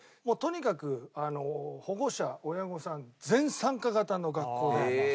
もうとにかく保護者親御さん全参加型の学校で。